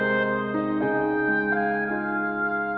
secukupnya u pri puang u yang pria